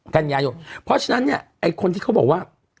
กันยายนเพราะฉะนั้นเนี่ยไอ้คนที่เขาบอกว่า